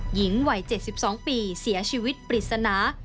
หญิงวัย๗๒ปีเสียชีวิตปริศนา